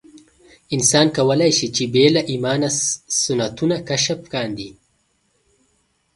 انسان کولای شي چې بې له ایمانه سنتونه کشف کاندي.